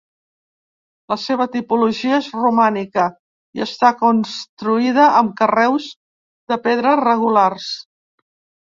La seva tipologia és romànica i està construïda amb carreus de pedra regulars.